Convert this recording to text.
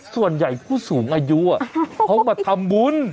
ส่วนใหญ่ผู้สูงอายุเขามาทำบุญ